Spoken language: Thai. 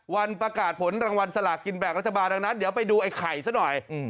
วันประกาศผลรางวัลสลากกินแบ่งรัฐบาลดังนั้นเดี๋ยวไปดูไอ้ไข่ซะหน่อย